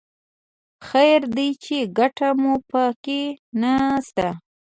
خیر دی چې ګټه مو په کې نه شته.